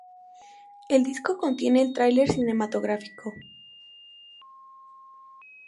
El disco contiene el tráiler cinematográfico.